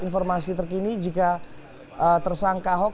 informasi terkini jika tersangka ahok